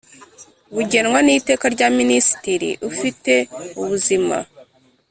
Bugenwa n iteka rya minisitiri ufite ubuzima